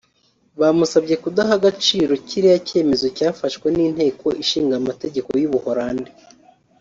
Bamusabye kudaha agaciro kiriya cyemezo cyafashwe n’Inteko Ishinga Amategeko y’u Buholandi